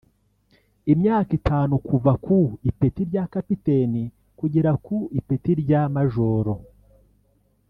imyaka itanu kuva ku ipeti rya Kapiteni kugera ku ipeti rya Majoro